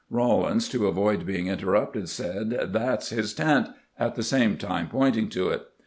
Rawlins, to avoid being interrupted, said, "That's his tent," at the same time pointing to it.